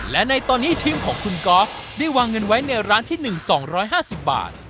และในตอนนี้ทีมของคุณก๊อฟได้วางเงินไว้ในร้านที่๑๒๕๐บาท